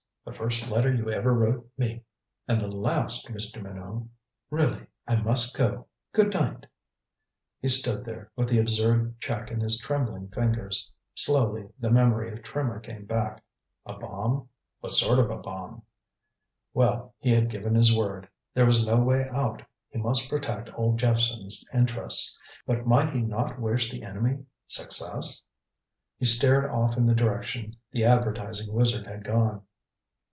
The first letter you ever wrote me " "And the last, Mr. Minot. Really I must go. Good night." He stood alone, with the absurd check in his trembling fingers. Slowly the memory of Trimmer came back. A bomb? What sort of a bomb? Well, he had given his word. There was no way out he must protect old Jephson's interests. But might he not wish the enemy success? He stared off in the direction the advertising wizard had gone.